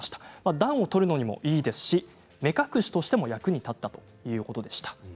暖を取るのにもいいですし目隠しとしても役に立ったということでした。